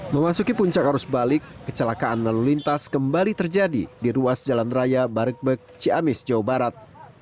memasuki puncak arus balik kecelakaan lalu lintas kembali terjadi di ruas jalan raya barekbek ciamis jawa barat